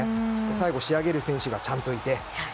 最後仕上げる選手がちゃんといて。